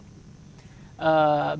biasanya di sini masalah apa